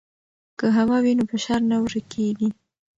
که هوا وي نو فشار نه ورکېږي.